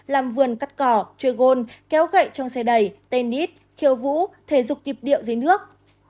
làm vườn cắt cỏ chơi gôn kéo gậy trong xe đầy tennis khiêu vũ thể dục kịp điệu dưới nước